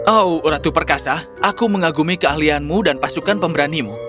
oh ratu perkasa aku mengagumi keahlianmu dan pasukan pemberanimu